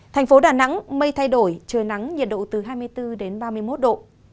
thành phố đà nẵng mây thay đổi trời nắng nhiệt độ từ hai mươi bốn đến ba mươi một độ